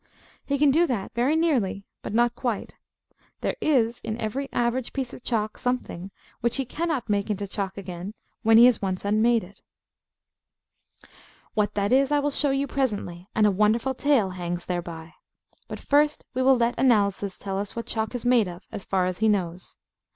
He can do that very nearly, but not quite. There is, in every average piece of chalk, something which he cannot make into chalk again when he has once unmade it. What that is I will show you presently; and a wonderful tale hangs thereby. But first we will let Analysis tell us what chalk is made of, as far as he knows.